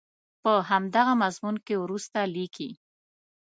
په همدغه مضمون کې وروسته لیکي.